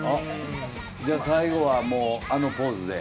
じゃあ、最後はあのポーズで。